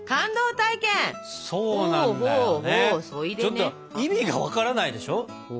ちょっと意味が分からないでしょ？